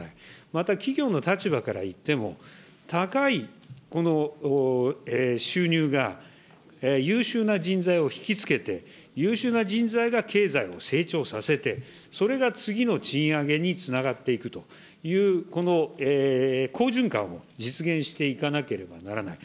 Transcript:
また企業の立場からいっても、高い収入が優秀な人材を引き付けて、優秀な人材が経済を成長させて、それが次の賃上げにつながっていくという、好循環を実現していかなければならない。